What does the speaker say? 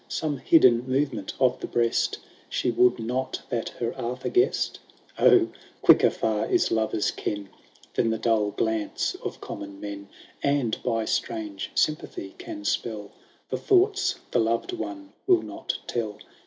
Some hidden movement of the bieast. She would not that her Arthur guess*d ? O ! quicker far is lovers* ken Than the dull glance of common men,^ And, by strange sympathy can spell The thoughts the loved one will not tell